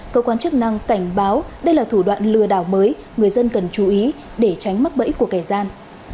cơ quan chức năng cảnh báo đây là thủ đoạn lừa đảo mới người dân cần chú ý để tránh mắc bẫy của kẻ gian